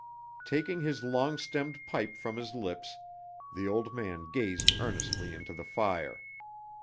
Taking his long stemmed pipe from his lips, the old man gazed earnestly into the fire.